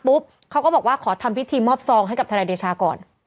เขาก็บอกว่าขอทำพิธีมอบซองให้กับทนายเดชาก่อน